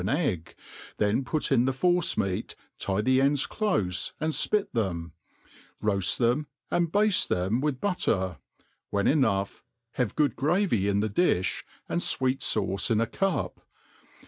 an egg, then put in the force*mear^ tie the ends clofe and fpit them, roaft them, and hade theoi with butter; when enough, have good gravy in the di(b, an4 jfweet fauce in a ciip.